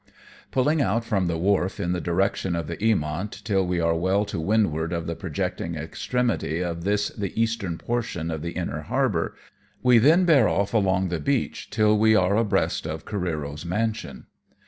Pulling out from the wharf in the direction of the Eamont, till we are well to windward of the projecting extremity of this the eastern portion of the inner harbour, we then bear off along the beach till we are abreast of Oareero's mansion.